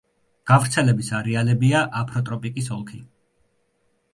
გავრცელების არეალებია აფროტროპიკის ოლქი.